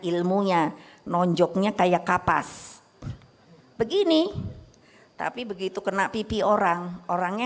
ilmunya nonjoknya kayak kapas begini tapi begitu kena pipi orang orangnya